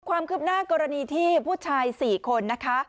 ความคืบหน้ากรณีที่ผู้ชาย๔คนนะคะ